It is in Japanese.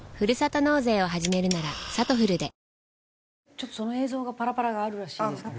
ちょっとその映像がパラパラがあるらしいですけども。